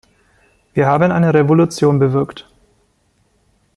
Wir haben eine Revolution bewirkt.